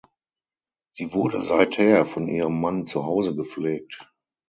Sie wurde seither von ihrem Mann zu Hause gepflegt.